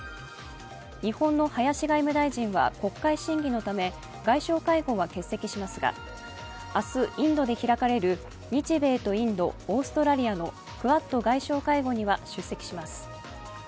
日本の林外務大臣は国会審議のため外相会合は欠席しますが明日、インドで開かれる日米とインド、オーストラリアのクアッド外相会合には出席します。